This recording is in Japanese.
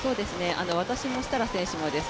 私も設楽選手もです